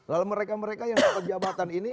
lalu mereka mereka yang berjabatan ini